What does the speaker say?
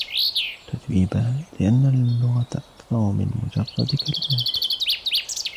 تتويبا: لأن اللغة أكثر من مجرد كلمات.